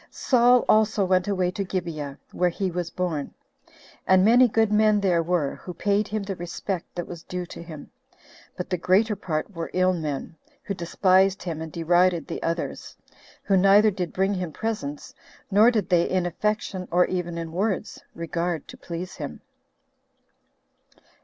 Saul also went away to Gibeah, where he was born; and many good men there were who paid him the respect that was due to him; but the greater part were ill men, who despised him and derided the others, who neither did bring him presents, nor did they in affection, or even in words, regard to please him.